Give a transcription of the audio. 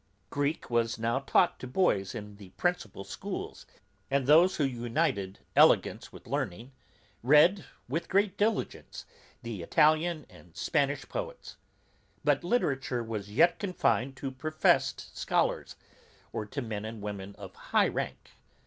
Greek was now taught to boys in the principal schools; and those who united elegance with learning, read, with great diligence, the Italian and Spanish poets. But literature was yet confined to professed scholars, or to men and women of high rank.